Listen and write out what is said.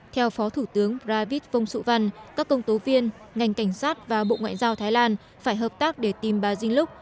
theo phó thủ tướng david phong su van các công tố viên ngành cảnh sát và bộ ngoại giao thái lan phải hợp tác để tìm bà dinh lúc